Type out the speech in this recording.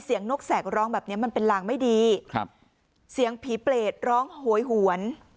นกแสกร้องแบบเนี้ยมันเป็นลางไม่ดีครับเสียงผีเปรตร้องโหยหวน